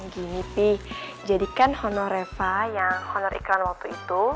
gini pi jadikan honor reva yang honor iklan waktu itu